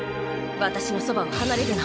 私のそばを離れるな。